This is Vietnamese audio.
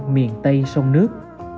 miền tây sông nước